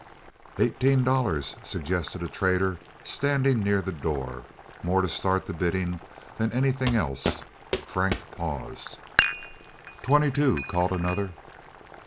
"Eighteen dollars," suggested a trader standing near the door, more to start the bidding than anything else. Frank paused. "Twenty two!" called another.